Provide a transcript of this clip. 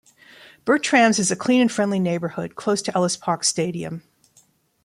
Bertrams is a clean and friendly neighbourhood, close to Ellis Park Stadium.